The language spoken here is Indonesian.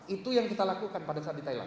itu yang kita lakukan pada saat di thailand